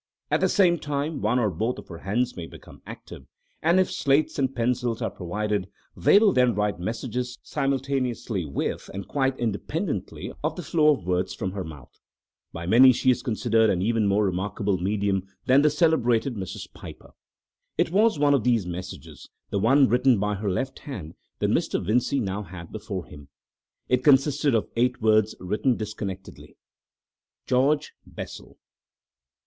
At the same time one or both of her hands may become active, and if slates and pencils are provided they will then write messages simultaneously with and quite independently of the flow of words from her mouth. By many she is considered an even more remarkable medium than the celebrated Mrs. Piper. It was one of these messages, the one written by her left hand, that Mr. Vincey now had before him. It consisted of eight words written disconnectedly: "George Bessel...